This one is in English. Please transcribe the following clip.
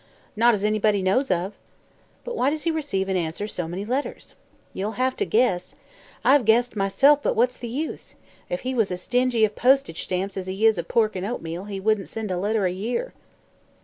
"Not as anybody knows of." "But why does he receive and answer so many letters?" "Ye'll hev to guess. I've guessed, myself; but what's the use? If he was as stingy of postage stamps as he is of pork an' oatmeal, he wouldn't send a letter a year."